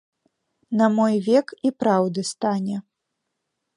На мой век і праўды стане.